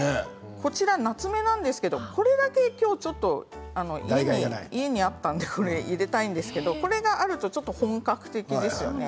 こちらはなつめなんですがこれだけ家にあったので入れたいんですけどこれがあるとちょっと本格的ですよね。